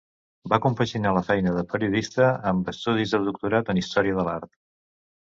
Va compaginar la feina de periodista amb estudis de doctorat en Història de l'Art.